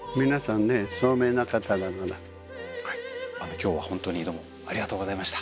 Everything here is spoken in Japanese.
今日は本当にどうもありがとうございました。